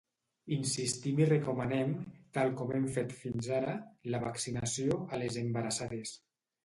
Insistim i recomanem, tal com hem fet fins ara, la vaccinació a les embarassades.